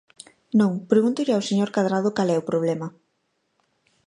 Non, pregúntolle ao señor Cadrado cal é o problema.